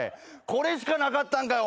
これしかなかったんかい？